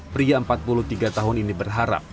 pria empat puluh tiga tahun ini berharap